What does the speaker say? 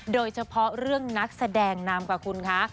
โดยเฉพาะเรื่องนักแสดงนำกับคุณคะ